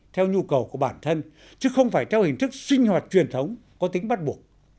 theo nhu cầu của bản thân chứ không phải theo hình thức sinh hoạt truyền thống có tính bắt buộc